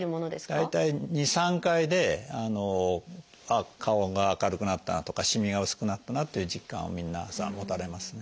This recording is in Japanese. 大体２３回であの顔が明るくなったなとかしみが薄くなったなっていう実感は皆さん持たれますね。